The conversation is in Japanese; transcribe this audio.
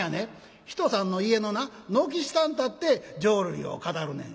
「人さんの家のな軒下に立って浄瑠璃を語るねん」。